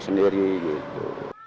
bukan sendiri gitu